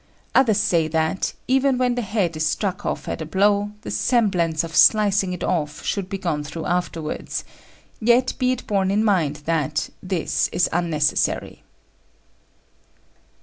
Others say that, even when the head is struck off at a blow, the semblance of slicing it off should be gone through afterwards; yet be it borne in mind that; this is unnecessary.